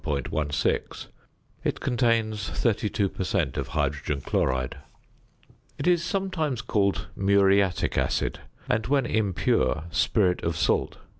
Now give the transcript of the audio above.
It contains 32 per cent. of hydrogen chloride). It is sometimes called "muriatic acid," and when impure, "spirit of salt."